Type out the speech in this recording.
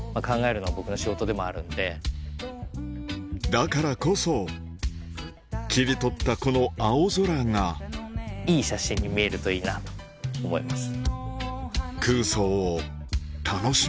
だからこそ切り取ったこの青空がいい写真に見えるといいなと思います。